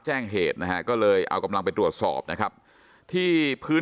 แจ้งเหตุนะฮะก็เลยเอากำลังไปตรวจสอบนะครับที่พื้น